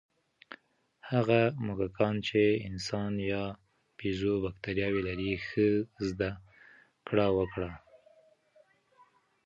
هغه موږکان چې د انسان یا بیزو بکتریاوې لري، ښه زده کړه وکړه.